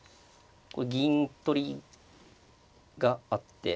銀取りがあって。